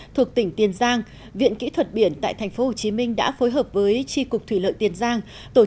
thuộc tỉnh tiền giang viện kỹ thuật biển tại tp hcm đã phối hợp với tri cục thủy lợi tiền giang